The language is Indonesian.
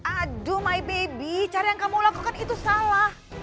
aduh my baby cara yang kamu lakukan itu salah